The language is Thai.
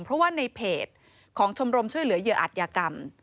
เพราะว่าในเพจของชมรมช่วยเหลือเหยื่ออัตยกรรม